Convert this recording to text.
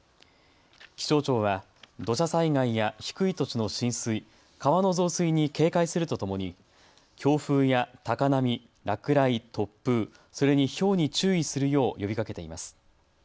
気象庁は土砂災害や低い土地の浸水、川の増水に警戒するとともに強風や高波、落雷、突風、それにひょうに注意するよう呼びかけています。